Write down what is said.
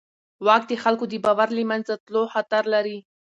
واک د خلکو د باور د له منځه تلو خطر لري.